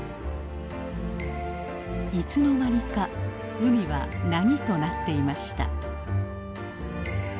いつの間にか海はなぎとなっていました。